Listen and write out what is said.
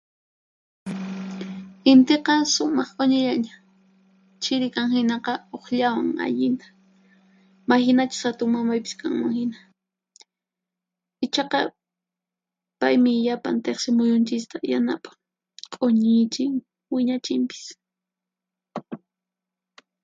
Intiqa sumaq q'uñillaña; chhiri kan hinaqa uqllawan allinta, mayhinachus hatunmamaypis kanman hina. Ichaqa paymi llapan tiqsi muyunchista yanapan, q'uñichin, wiñachinpis.